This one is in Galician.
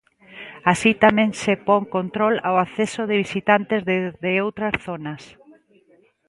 Así tamén se pon control ao acceso de visitantes desde outras zonas.